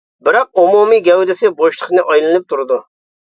بىراق ئومۇمىي گەۋدىسى بوشلۇقنى ئايلىنىپ تۇرىدۇ.